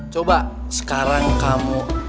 coba sekarang kamu